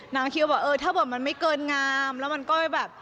นางคิดว่าเออถ้าบอกมันไม่เกินงามแล้วมันก็แบบ